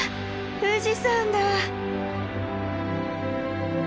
富士山だ！